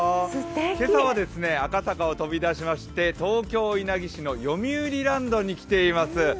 今朝は赤坂を飛び出しまして東京・稲城市のよみうりランドに来ています。